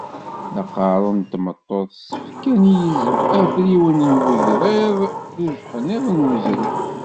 D aqerru n tmeṭṭut, s tfekka n yizem, afriwen n wegḍid d ujeḥniḍ n wezrem.